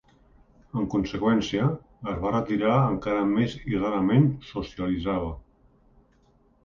En conseqüència, es va retirar encara més i rarament socialitzava.